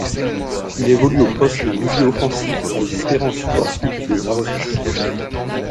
Il évolue au poste de milieu offensif à l'Espérance sportive de Zarzis.